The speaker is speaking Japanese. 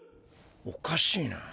おかしいな。